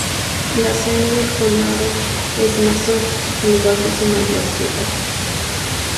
La sede del condado es Mason, al igual que su mayor ciudad.